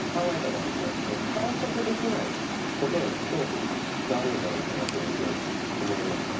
完食できないことへの恐怖があるんじゃないかなというふうに思いました。